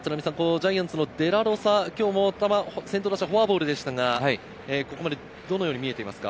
ジャイアンツのデラロサは今日、先頭打者、フォアボールでしたが、ここまでどのように見えていますか？